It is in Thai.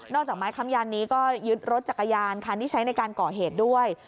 อกจากไม้คำยันนี้ก็ยึดรถจักรยานคันที่ใช้ในการก่อเหตุด้วย